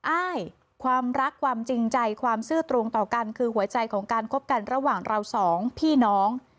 อ้ายความรักความจริงใจความซื่อตรงต่อกันคือหัวใจของการคบกันระหว่างเราสองพี่น้อง